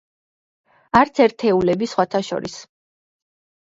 არც ერთეულები სხვათა შორის.